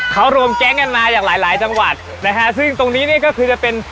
เขารวมแก๊งกันมาจากหลายหลายจังหวัดนะฮะซึ่งตรงนี้นี่ก็คือจะเป็น